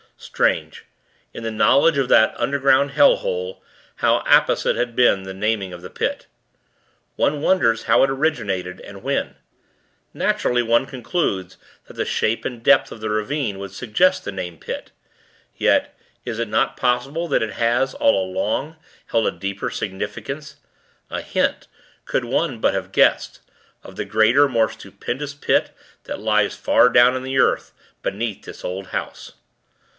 Strange in the knowledge of that underground hell hole how apposite has been the naming of the Pit. One wonders how it originated, and when. Naturally, one concludes that the shape and depth of the ravine would suggest the name 'Pit.' Yet, is it not possible that it has, all along, held a deeper significance, a hint could one but have guessed of the greater, more stupendous Pit that lies far down in the earth, beneath this old house?